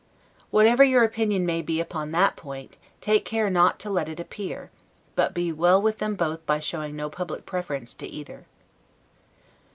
Whatever your opinion may be upon THAT POINT, take care not to let it appear; but be well with them both by showing no public preference to either.